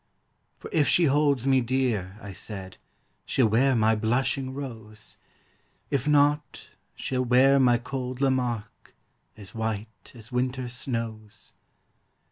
For if she holds me dear, I said, She'll wear my blushing rose; If not, she'll wear my cold Lamarque, As white as winter's snows.